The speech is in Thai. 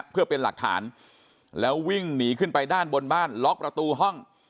เพื่อเป็นหลักฐานแล้ววิ่งหนีขึ้นไปด้านบนบ้านล็อกประตูห้อง